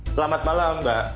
selamat malam mbak